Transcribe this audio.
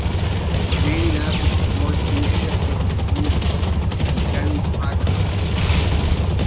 The remaining assets of North East Shipbuilders Limited were then privatised.